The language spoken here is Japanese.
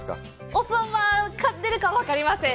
おそばが出るかは分かりません。